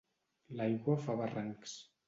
L'aigua fa barrancs.